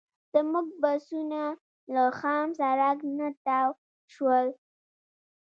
زموږ بسونه له خام سړک نه تاو شول.